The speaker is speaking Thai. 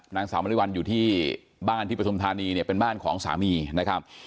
นางสาวมริวัลอยู่ที่บ้านที่ปฐุมธานีเนี่ยเป็นบ้านของสามีนะครับ